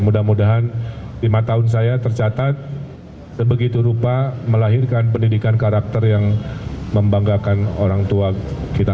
mudah mudahan lima tahun saya tercatat sebegitu rupa melahirkan pendidikan karakter yang membanggakan orang tua kita